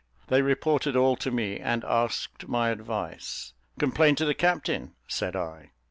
They reported all to me, and asked my advice. "Complain to the captain," said I.